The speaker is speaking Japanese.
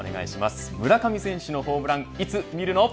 村上選手のホームランいつ見るの。